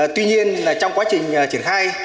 tuy nhiên trong quá trình triển khai